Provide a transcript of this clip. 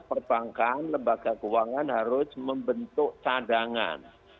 perbankan lembaga keuangan harus membentuk cadangan